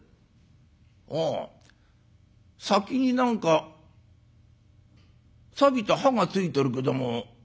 ああ先に何かさびた刃がついてるけども。